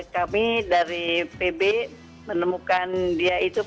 kami dari pb menemukan dia itu